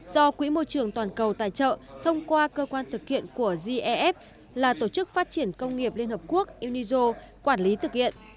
do quỹ môi trường toàn cầu tài trợ thông qua cơ quan thực hiện của gef là tổ chức phát triển công nghiệp liên hợp quốc unigo quản lý thực hiện